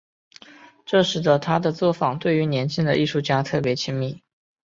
这使得他的作坊对于年轻的艺术家特别亲密。